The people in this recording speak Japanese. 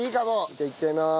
じゃあいっちゃいまーす。